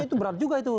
itu berat juga itu